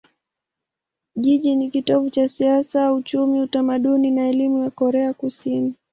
Jiji ni kitovu cha siasa, uchumi, utamaduni na elimu ya Korea Kusini.